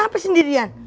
kenapa kau sendirian